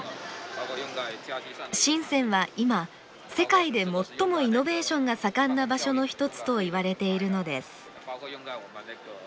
深は今世界で最もイノベーションが盛んな場所の一つといわれているのです。